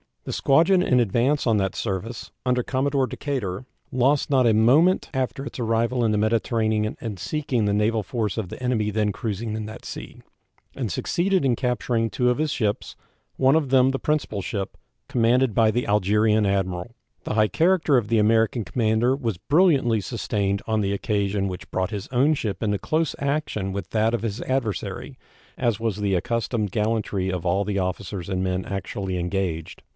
The squadron in advance on that service, under Commodore Decatur, lost not a moment after its arrival in the Mediterranean in seeking the naval force of the enemy then cruising in that sea, and succeeded in capturing two of his ships, one of them the principal ship, commanded by the Algerine admiral. The high character of the American commander was brilliantly sustained on the occasion which brought his own ship into close action with that of his adversary, as was the accustomed gallantry of all the officers and men actually engaged.